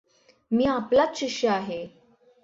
मी आपलाच शिष्य आहे.